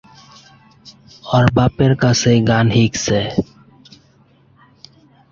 পিতার কাছেই তার সঙ্গীতে হাতেখড়ি।